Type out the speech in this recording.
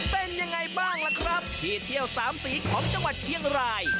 เป็นยังไงบ้างล่ะครับที่เที่ยวสามสีของจังหวัดเชียงราย